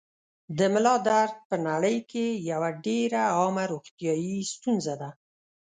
د ملا درد په نړۍ کې یوه ډېره عامه روغتیايي ستونزه ده.